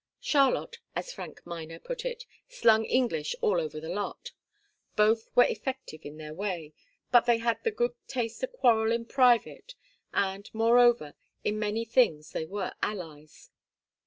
Charlotte, as Frank Miner put it, 'slung English all over the lot.' Both were effective in their way. But they had the good taste to quarrel in private and, moreover, in many things they were allies.